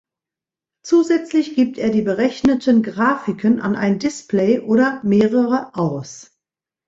Zusätzlich gibt er die berechneten Grafiken an ein Display oder mehrere aus.